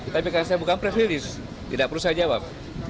tapi karena saya bukan press release tidak perlu saya jawab